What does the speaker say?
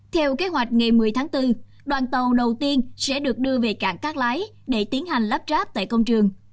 theo kế hoạch ngày một mươi tháng bốn đoàn tàu đầu tiên sẽ được đưa về cảng cát lái để tiến hành lắp ráp tại công trường